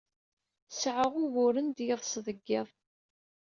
Seɛɛuɣ uguren d yiḍes deg yiḍ.